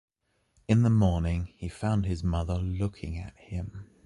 In the morning he found his mother looking at him.